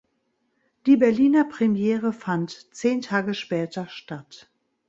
Die Berliner Premiere fand zehn Tage später statt.